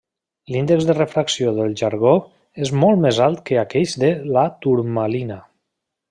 L'índex de refracció del jargó és molt més alt que aquells de la turmalina.